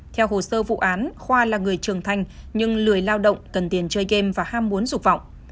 theo hồ sơ vụ án khoa là người trưởng thanh nhưng lười lao động cần tiền chơi game và ham muốn dục vọng